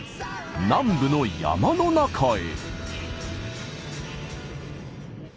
南部の山の中へ。